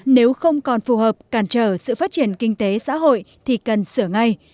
nếu không còn phù hợp cản trở sự phát triển kinh tế xã hội thì cần sửa ngay